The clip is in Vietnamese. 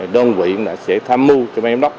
đơn vị sẽ tham mưu cho bà em đốc